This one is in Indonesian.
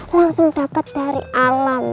langsung dapat dari alam